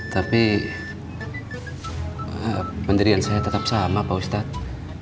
tapi pendirian saya tetap sama pak ustadz